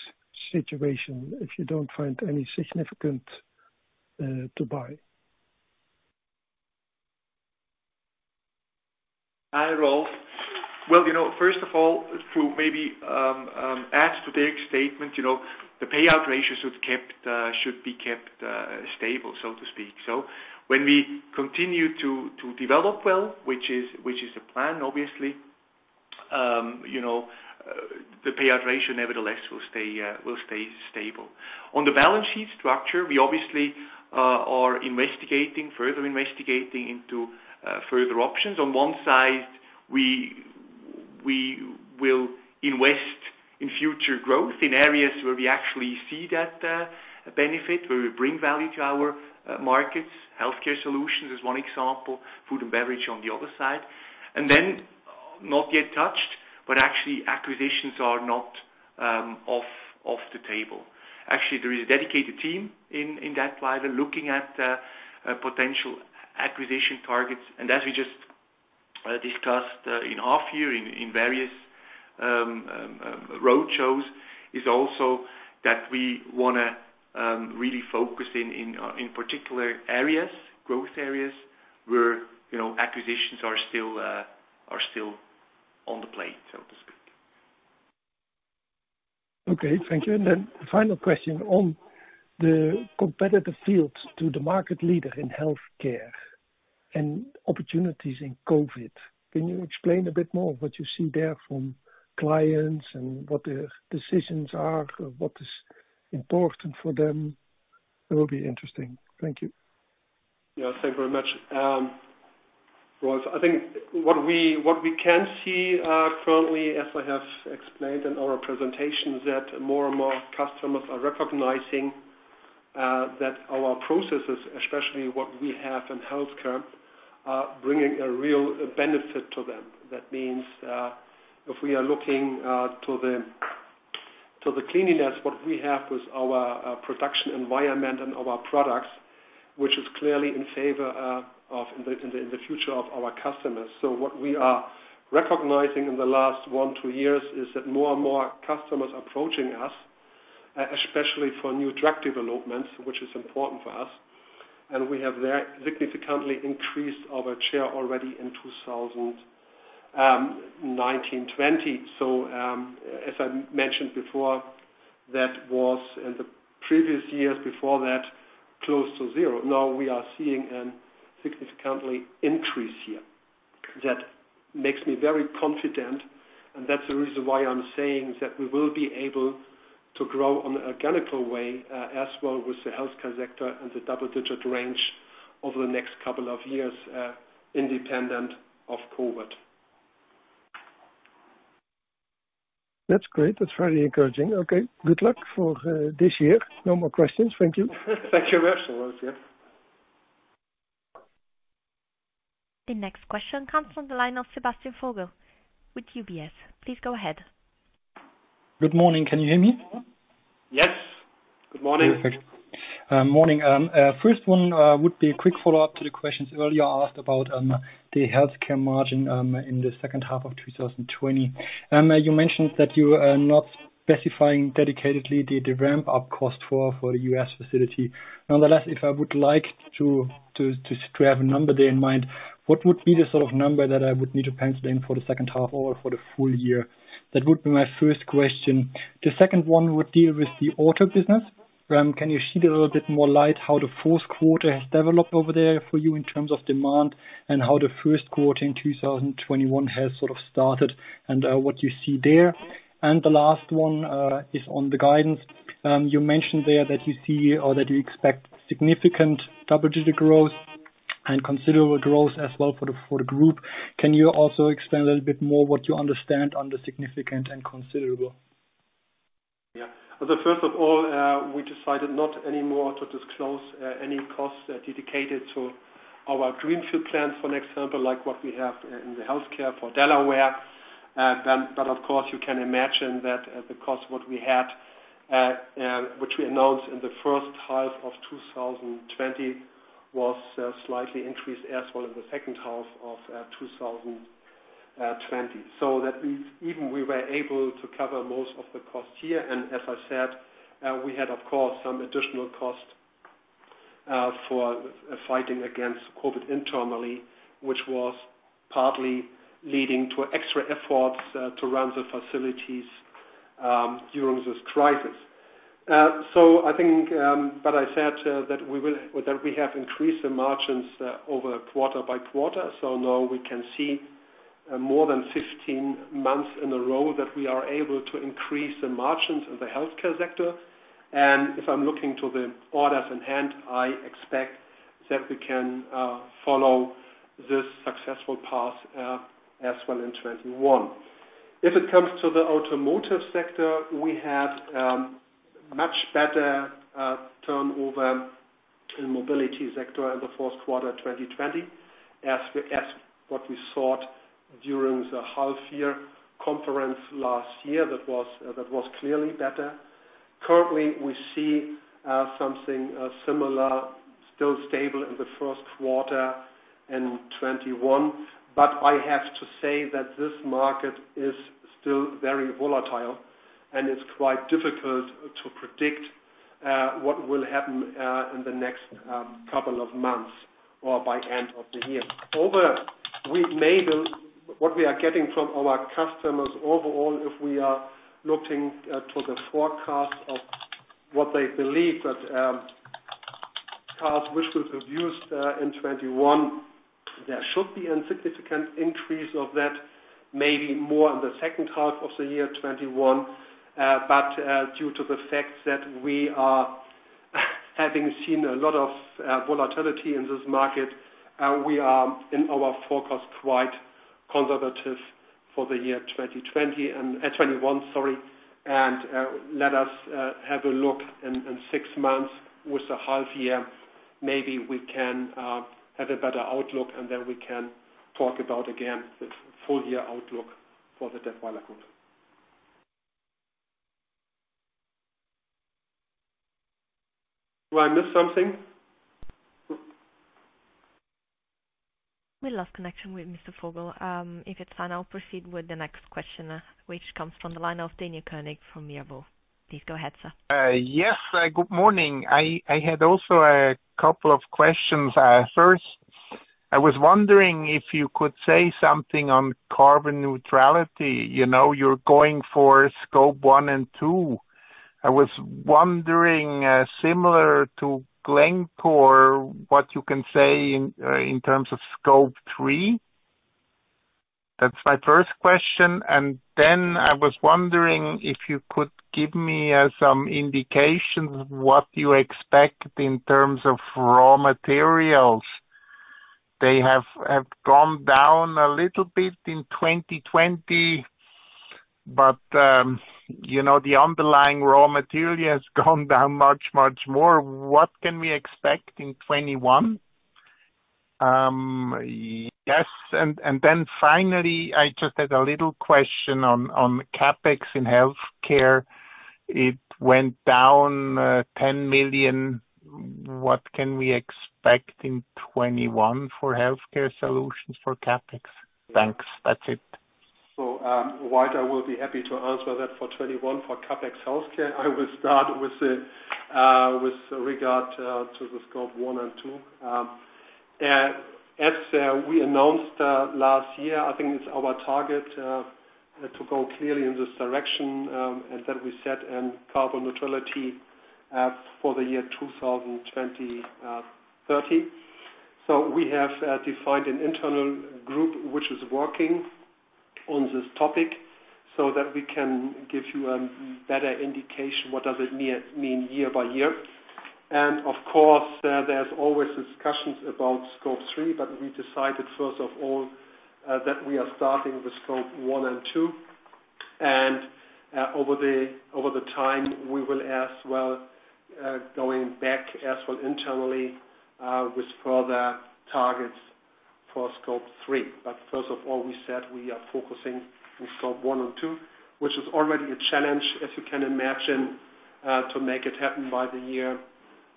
situation if you don't find any significant to buy. Hi, Rolf. Well, first of all, to maybe add to Dirk's statement, the payout ratios should be kept stable, so to speak. When we continue to develop well, which is the plan, obviously, the payout ratio nevertheless will stay stable. On the balance sheet structure, we obviously are investigating, further investigating into further options. On one side, we will invest in future growth in areas where we actually see that benefit, where we bring value to our markets. Healthcare solutions is one example. Food and beverage on the other side. Not yet touched, but actually acquisitions are not off the table. Actually, there is a dedicated team in Dätwyler looking at potential acquisition targets. As we just discussed in our view, in various road shows, is also that we want to really focus in particular areas, growth areas where acquisitions are still on the plate, so to speak. Okay, thank you. Final question on the competitive fields to the market leader in healthcare and opportunities in COVID. Can you explain a bit more of what you see there from clients and what their decisions are, what is important for them? That would be interesting. Thank you. Thank y.ou very much. Rolf, I think what we can see currently, as I have explained in our presentation, that more and more customers are recognizing that our processes, especially what we have in healthcare, are bringing a real benefit to them. That means, if we are looking to the cleanliness, what we have with our production environment and of our products, which is clearly in favor of the future of our customers. What we are recognizing in the last one, two years is that more and more customers approaching us, especially for new drug developments, which is important for us. We have significantly increased our share already in 2019, 2020. As I mentioned before, that was in the previous years before that, close to zero. Now we are seeing a significantly increase here. That makes me very confident, and that's the reason why I'm saying that we will be able to grow on an organic way, as well with the healthcare sector in the double-digit range over the next couple of years, independent of COVID. That's great. That's very encouraging. Okay. Good luck for this year. No more questions. Thank you. Thank you very much. The next question comes from the line of Sebastian Vogel with UBS. Please go ahead. Good morning. Can you hear me? Yes. Good moorning. Perfect. Morning. First one would be a quick follow-up to the questions earlier asked about the healthcare margin in the second half of 2020. You mentioned that you are not specifying dedicatedly the ramp-up cost for the U.S. facility. If I would like to have a number there in mind, what would be the sort of number that I would need to pencil in for the second half or for the full year? That would be my first question. The second one would deal with the auto business. Can you shed a little bit more light how the fourth quarter has developed over there for you in terms of demand, and how the first quarter in 2021 has sort of started, and what you see there? The last one is on the guidance. You mentioned there that you see or that you expect significant double-digit growth and considerable growth as well for the Group. Can you also explain a little bit more what you understand under significant and considerable? Yeah. First of all, we decided not anymore to disclose any costs dedicated to our greenfield plants, for example, like what we have in the healthcare for Delaware. Of course, you can imagine that the cost, which we announced in the first half of 2020, was slightly increased as well in the second half of 2020. That means even we were able to cover most of the costs here, and as I said, we had, of course, some additional costs for fighting against COVID internally, which was partly leading to extra efforts to run the facilities during this crisis. I think, but I said that we have increased the margins quarter-over-quarter. Now we can see more than 15 months in a row that we are able to increase the margins in the healthcare sector. If I'm looking to the orders in hand, I expect that we can follow this successful path as well in 2021. If it comes to the automotive sector, we had much better turnover in mobility sector in the fourth quarter 2020. As what we sought during the half year conference last year, that was clearly better. Currently, we see something similar, still stable in the first quarter in 2021. I have to say that this market is still very volatile, and it's quite difficult to predict what will happen in the next couple of months or by end of the year. What we are getting from our customers overall, if we are looking to the forecast of what they believe that cars, which will be used in 2021, there should be a significant increase of that, maybe more in the second half of 2021. Due to the fact that we are having seen a lot of volatility in this market, we are in our forecast quite conservative for the year 2020, and 2021, sorry. Let us have a look in six months with the half year, maybe we can have a better outlook, and then we can talk about, again, the full year outlook for the Dätwyler Group. Do I miss something? We lost connection with Mr. Vogel. If it is fine, I will proceed with the next question, which comes from the line of Daniel Koenig from Mirabaud. Please go ahead, sir. Yes. Good morning. I had also a couple of questions. First, I was wondering if you could say something on carbon neutrality. You're going for Scope 1 and 2. I was wondering, similar to Glencore, what you can say in terms of Scope 3. That's my first question. I was wondering if you could give me some indication what you expect in terms of raw materials. They have gone down a little bit in 2020. The underlying raw material has gone down much, much more. What can we expect in 2021? Yes. Finally, I just had a little question on CapEx in healthcare. It went down 10 million. What can we expect in 2021 for healthcare solutions for CapEx? Thanks. That's it. Walter will be happy to answer that for 2021 for CapEx healthcare. I will start with regard to the Scope 1 and 2. As we announced last year, I think it's our target to go clearly in this direction, and that we set in carbon neutrality for the year 2030. We have defined an internal group, which is working on this topic so that we can give you a better indication what does it mean year by year. Of course, there's always discussions about Scope 3, but we decided first of all, that we are starting with Scope 1 and 2. Over the time, we will as well, going back as well internally, with further targets for Scope 3. First of all, we said we are focusing on Scope 1 and 2, which is already a challenge, as you can imagine, to make it happen by the year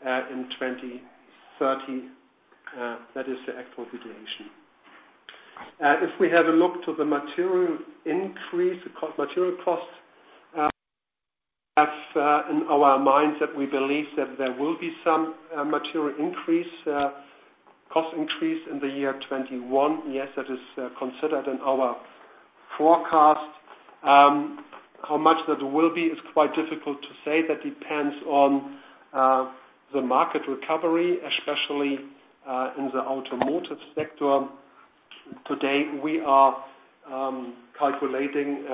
2030. That is the actual duration. If we have a look to the material increase, material costs, as in our mindset, we believe that there will be some material increase, cost increase in the year 2021. Yes, that is considered in our forecast. How much that will be is quite difficult to say. That depends on the market recovery, especially in the automotive sector. Today, we are calculating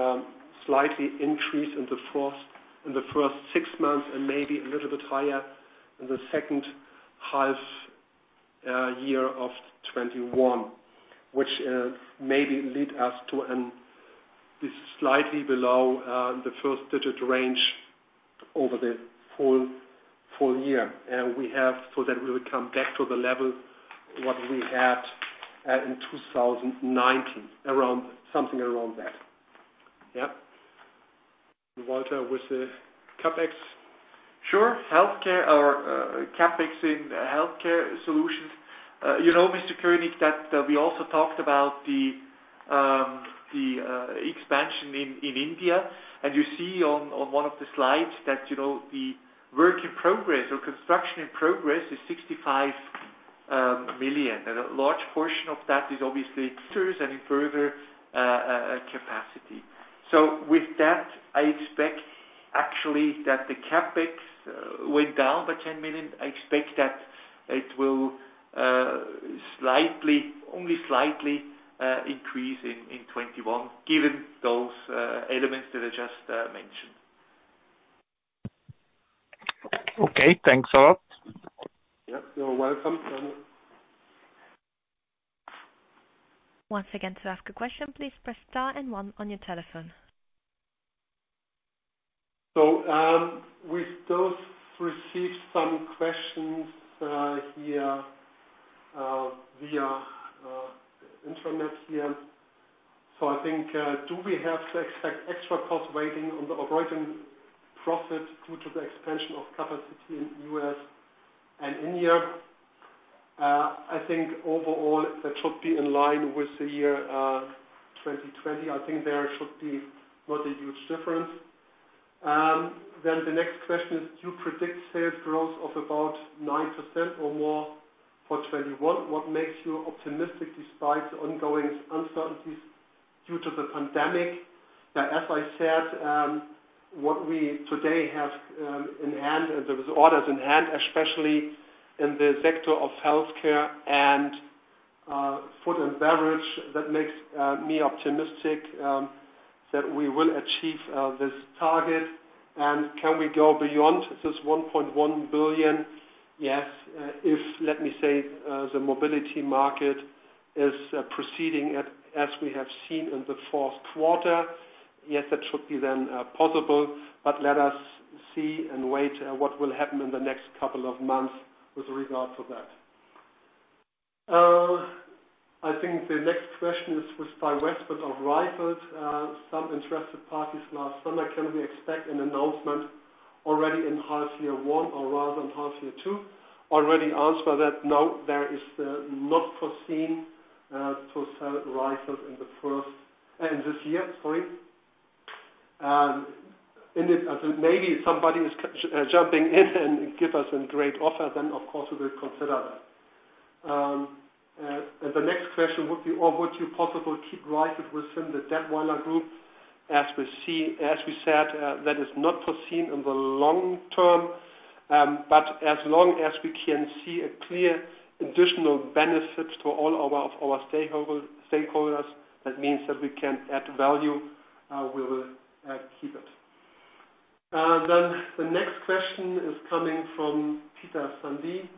slightly increase in the first six months and maybe a little bit higher in the second half year of 2021, which maybe lead us to a slightly below the first-digit range over the full year. So that we will come back to the level what we had in 2019, something around that. Yeah. Walter with the CapEx? Sure. Healthcare or CapEx in healthcare solutions. You know, Mr. Koenig, that we also talked about the expansion in India. You see on one of the slides that the work in progress or construction in progress is 65 million. A large portion of that is obviously and in further capacity. With that, I expect actually that the CapEx went down by 10 million. I expect that it will only slightly increase in 2021, given those elements that I just mentioned. Okay, thanks a lot. Yep, you're welcome. Once again, to ask a question, please press star and one on your telephone. We've received some questions via internet. Do we have to expect extra cost weighting on the operating profit due to the expansion of capacity in U.S. and India? Overall that should be in line with the year 2020. There should be not a huge difference. The next question is, you predict sales growth of about 9% or more for 2021. What makes you optimistic despite the ongoing uncertainties due to the pandemic? As I said, what we today have in hand and there is orders in hand, especially in the sector of healthcare and food and beverage, that makes me optimistic that we will achieve this target. Can we go beyond this 1.1 billion? Yes, if the mobility market is proceeding as we have seen in the fourth quarter. That should be possible, let us see and wait what will happen in the next couple of months with regard to that. I think the next question is by Westford of Ryford. Some interested parties last summer, can we expect an announcement already in half year one or rather in half year two? Already answered that. No, there is not foreseen to sellReichelt in this year. Maybe if somebody is jumping in and give us a great offer, then of course we will consider that. The next question would be, would you possibly keep Reichelt within the Dätwyler Group? As we said, that is not foreseen in the long term. As long as we can see a clear additional benefit to all of our stakeholders, that means that we can add value, we will keep it. The next question is coming from Peter Sande.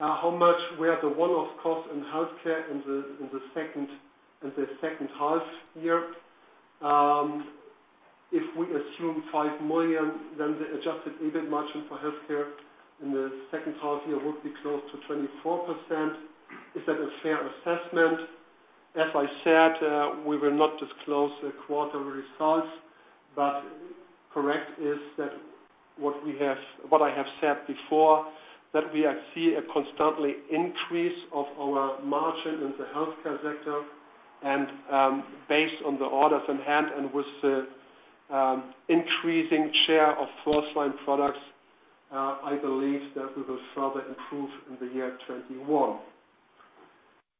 How much were the one-off costs in healthcare in the second half year? If we assume 5 million, then the adjusted EBIT margin for healthcare in the second half year would be close to 24%. Is that a fair assessment? As I said, we will not disclose the quarter results, but correct is that what I have said before, that we see a constantly increase of our margin in the healthcare sector. Based on the orders in hand and with the increasing share of FirstLine products, I believe that we will further improve in the year 2021.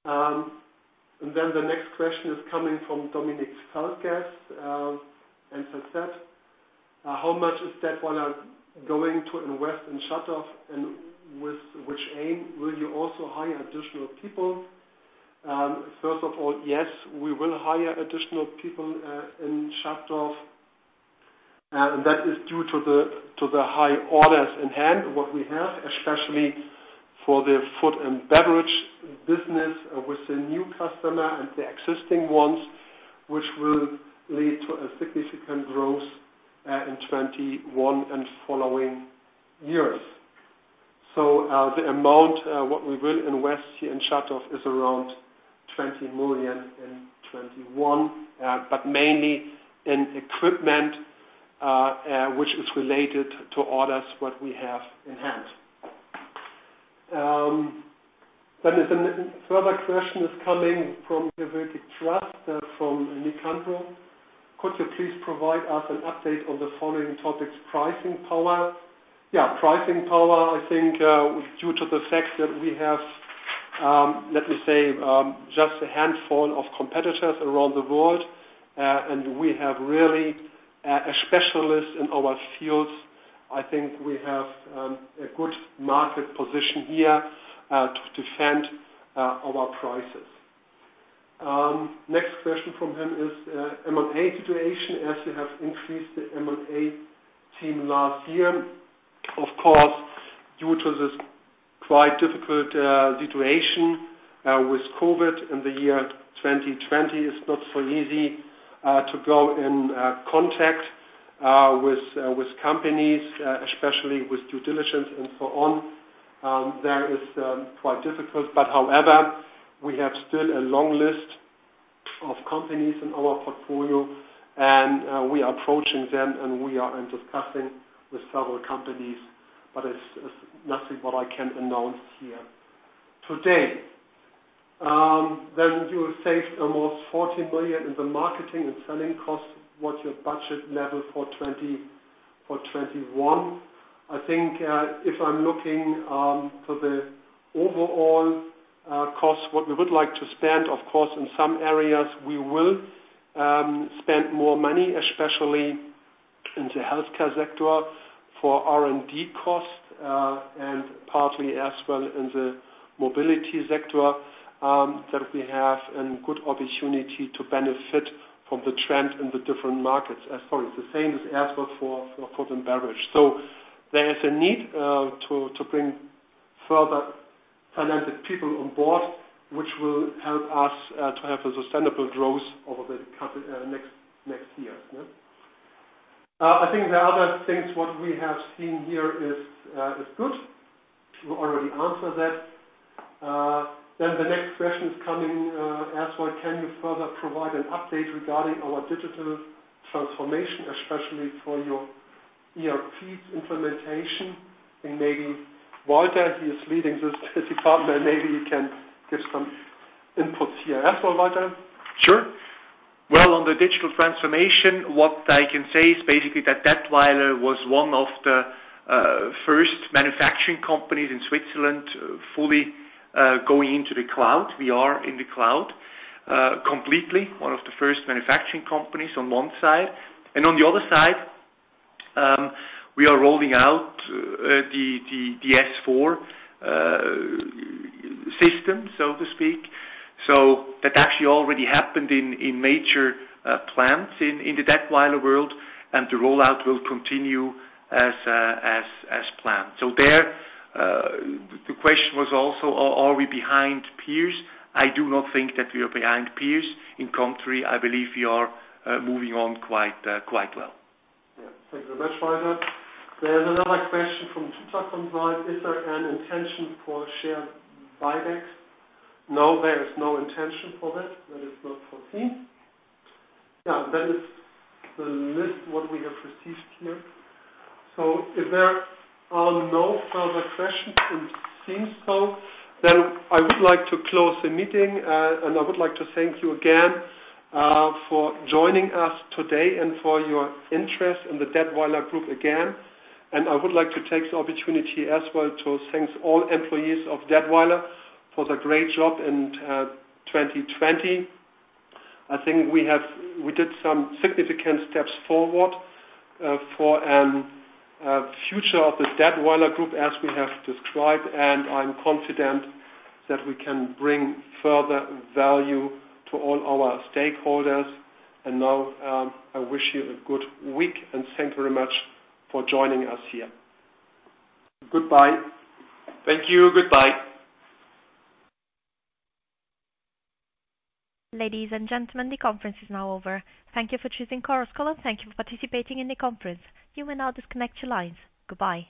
The next question is coming from Dominic Felkess. says that, how much is Dätwyler going to invest in Schattdorf and with which aim? Will you also hire additional people? [First of all, yes. We will hire additional people in Schattdorf that is due to high order in our end for what we have especially for the food and beverage business. For the new costumers and existing ones which will lead to efficient growth in 2021 and following years. The amount of in Schattdorf is around 20 million and 21 million, but mainly in equipment which is related to orders of what we have in hand. Product question is coming from. Could you please provide an update on the following topic pricing just a hand fall of competitor around the world. We have really specialist on our field. I think, we have good market position here to defend our prices. Next question from due to quite difficult situation was COVID in the year 2020 was not easy to blow in context company especially that was quite difficult but however, we have still a long list of companies in our portfolio and we are approaching them and we are on discussing several companies but I cannot announce here. Today, in the marketing for 2021. I think if I'm looking for over all some area, we will spent more money especially in healthcare sector and partly as well in he mobility sector that we have good opportunity to benefit from the trend in different market food and beverage. There's a need to bring further involved which will help us Thank you very much, Walter. There's another question from. Is there an intention for share buybacks? No, there is no intention for that. That is not foreseen. That is the list what we have received here. If there are no further questions, it seems so, then I would like to close the meeting. I would like to thank you again for joining us today and for your interest in the Dätwyler Group again. I would like to take the opportunity as well to thank all employees of Dätwyler for the great job in 2020. I think we did some significant steps forward for a future of the Dätwyler Group as we have described, and I'm confident that we can bring further value to all our stakeholders. Now, I wish you a good week, and thank you very much for joining us here. Goodbye. Thank you. Goodbye. Ladies and gentlemen, the conference is now over. Thank you for choosing Chorus Call. Thank you for participating in the conference. You may now disconnect your lines. Goodbye